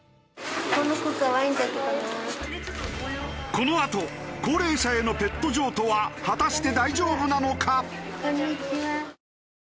このあと高齢者へのペット譲渡は果たして大丈夫なのか？